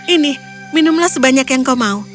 ini minumlah sebanyak yang kau mau